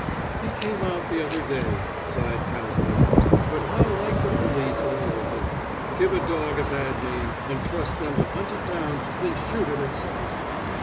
"He came out the other day," sighed Cazalet. "But how like the police all over! Give a dog a bad name, and trust them to hunt it down and shoot it at sight!"